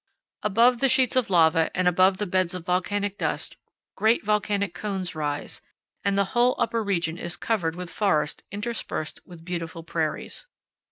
Above the sheets of lava and above the beds of volcanic dust great volcanic cones rise, and the whole upper region is covered with forests interspersed with beautiful prairies.